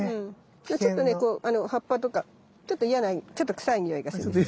ちょっとね葉っぱとかちょっと嫌なちょっと臭いにおいがするんです。